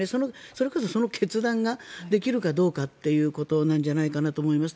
それこそその決断ができるかどうかということじゃないかなと思います。